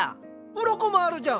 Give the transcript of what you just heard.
うろこもあるじゃん。